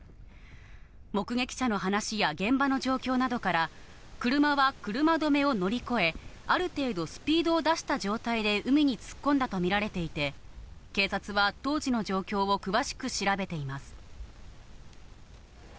目撃者の話や現場の状況などから、車は車止めを乗り越え、ある程度スピードを出した状態で海に突っ込んだとみられていて、警察は当時の状況を詳しく調べています。